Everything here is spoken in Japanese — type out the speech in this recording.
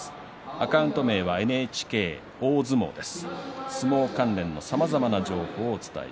アカウント名はＮＨＫ大相撲です。